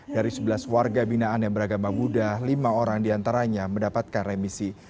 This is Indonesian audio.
dari sebelas warga binaan yang beragama buddha lima orang diantaranya mendapatkan remisi